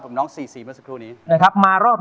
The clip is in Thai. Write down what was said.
ปิดทองพระดูดใจให้หาย